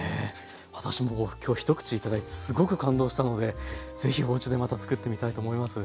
私も今日一口頂いてすごく感動したのでぜひおうちでまた作ってみたいと思います。